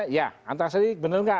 ya antasari bener gak